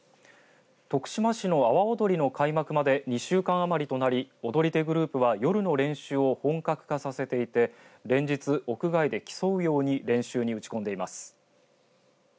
徳島市の阿波おどりの開幕まで２週間余りとなり踊り手グループは夜の練習を本格化させていて連日、屋外で競うように練習に打ち込んでいます。